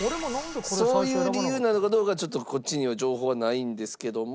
そういう理由なのかどうかはちょっとこっちには情報はないんですけども。